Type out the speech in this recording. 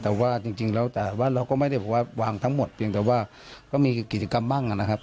แต่ว่าจริงแล้วแต่ว่าเราก็ไม่ได้บอกว่าวางทั้งหมดเพียงแต่ว่าก็มีกิจกรรมบ้างนะครับ